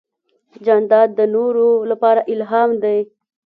جانداد د نورو لپاره الهام دی.